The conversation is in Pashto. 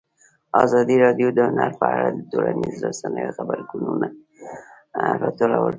ازادي راډیو د هنر په اړه د ټولنیزو رسنیو غبرګونونه راټول کړي.